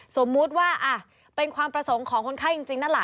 สมมุติว่าเป็นความประสงค์ของคนไข้จริงนั่นแหละ